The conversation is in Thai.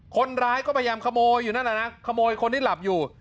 คนร้ายก็พยายามขโมยอยู่นั่นแหละนะขโมยคนที่หลับอยู่